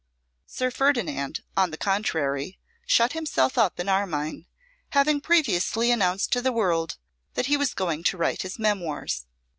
Sir Ferdinand, on the contrary, shut himself up in Armine, having previously announced to the world that he was going to write his memoirs.